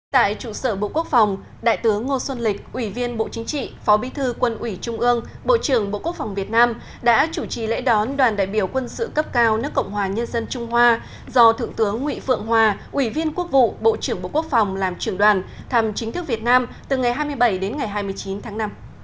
tại trụ sở bộ quốc phòng đại tướng ngô xuân lịch ủy viên bộ chính trị phó bí thư quân ủy trung ương bộ trưởng bộ quốc phòng việt nam đã chủ trì lễ đón đoàn đại biểu quân sự cấp cao nước cộng hòa nhân dân trung hoa do thượng tướng nguyễn phượng hòa ủy viên quốc vụ bộ trưởng bộ quốc phòng làm trưởng đoàn thăm chính thức việt nam từ ngày hai mươi bảy đến ngày hai mươi chín tháng năm